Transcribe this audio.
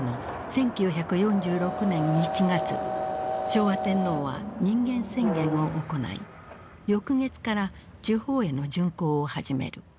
昭和天皇は人間宣言を行い翌月から地方への巡幸を始める。